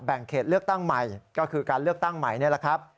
เขตเลือกตั้งใหม่ก็คือการเลือกตั้งใหม่นี่แหละครับ